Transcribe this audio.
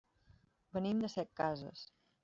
Venim de Setcases.